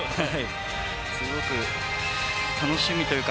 すごく楽しみというか。